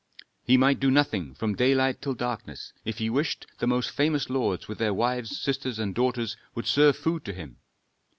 "He might do nothing from daylight till darkness. If he wished, the most famous lords, with their wives, sisters, and daughters, would serve food to him.